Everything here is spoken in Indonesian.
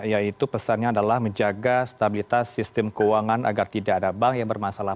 yaitu pesannya adalah menjaga stabilitas sistem keuangan agar tidak ada bank yang bermasalah